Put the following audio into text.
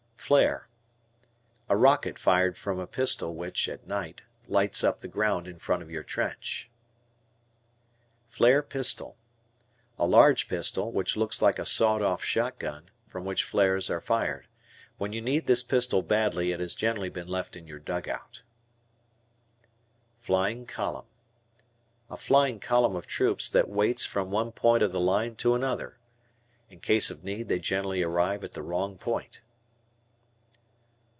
Flare. A rocket fired from a pistol which, at night, lights up the ground in front of your trench. Flare Pistol. A large pistol, which looks like a sawed off shotgun, from which flares are fired. When you need this pistol badly it has generally been left in your dugout. Flying Column. A flying column of troops that waits from one point of the line to another. In case of need they usually arrive at the wrong point.